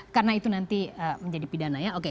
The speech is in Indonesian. karena itu nanti menjadi pidana ya